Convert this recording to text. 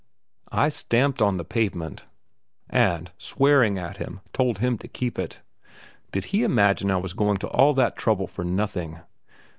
I stamped on the pavement, and, swearing at him, told him to keep it. Did he imagine I was going to all that trouble for nothing?